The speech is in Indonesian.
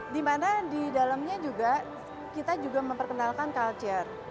di mana di dalamnya juga kita juga memperkenalkan culture